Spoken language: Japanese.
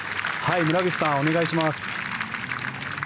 村口さん、お願いします。